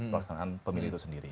pelaksanaan pemilih itu sendiri